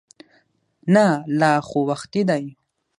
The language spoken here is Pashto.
نه لا خو وختي دی.